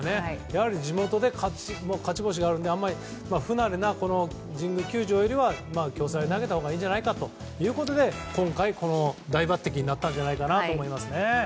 やはり地元で勝ち星があるので不慣れな神宮球場よりは京セラで投げたほうがいいんじゃないかということで今回、大抜擢になったんじゃないかなと思いますね。